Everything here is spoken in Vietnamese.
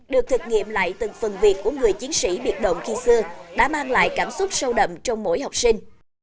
được thực nghiệm lại từng phần việc của người chiến sĩ biệt động khi xưa đã mang lại cảm xúc sâu đậm trong mỗi học sinh